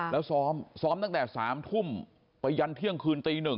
แล้วซ้อมซ้อมตั้งแต่๓ทุ่มไปยันเที่ยงคืนตี๑